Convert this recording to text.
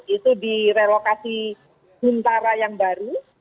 itu di relokasi juntara yang baru